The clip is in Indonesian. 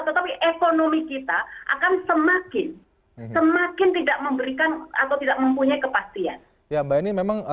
tetapi ekonomi kita akan semakin semakin tidak memberikan atau tidak mempunyai kepastian